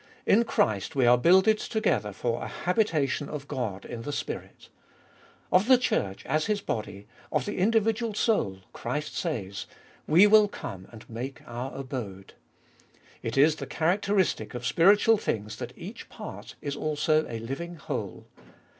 In Christ we are builded together for a habitation of God in the Spirit. Of the Church, as His body, of the individual soul, Christ says :" We will come and make our abode." It is the characteristic of spiritual things that each part is also a living whole.